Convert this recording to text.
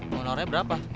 mau nawarnya berapa